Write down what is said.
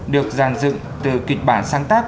được dàn dựng từ kịch bản sáng tác